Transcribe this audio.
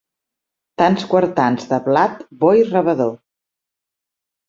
Tants quartans de blat bo i rebedor.